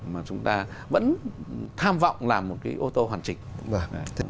mà chúng ta vẫn tham vọng làm một cái ô tô hoàn chỉnh